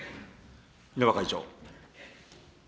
稲葉会長。